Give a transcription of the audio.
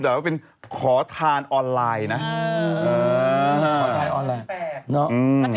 จากธนาคารกรุงเทพฯ